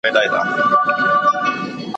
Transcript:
ډېر خلک د اوبو د اندازې پوښتنه کوي.